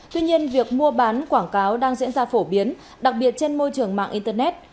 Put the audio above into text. tuy nhiên việc mua bán quảng cáo đang diễn ra phổ biến đặc biệt trên môi trường mạng internet